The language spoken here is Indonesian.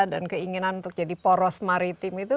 dan keinginan untuk jadi poros maritim itu